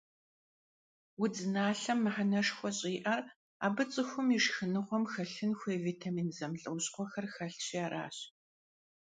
Удзналъэм мыхьэнэшхуэ щӀиӀэр абы цӀыхум и шхыныгъуэм хэлъын хуей витамин зэмылӀэужьыгъуэхэр хэлъщи аращ.